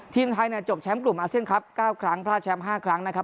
ทีมไทยเนี่ยจบแชมป์กลุ่มอาเซียนครับ๙ครั้งพลาดแชมป์๕ครั้งนะครับ